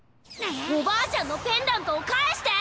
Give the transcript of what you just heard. おばあちゃんのペンダントをかえして！